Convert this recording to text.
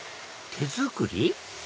手作り？